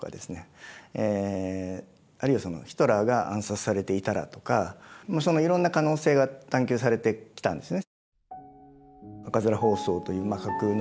あるいはヒトラーが暗殺されていたらとかいろんな可能性が探求されてきたんですね。